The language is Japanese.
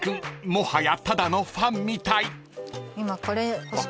もはやただのファンみたい］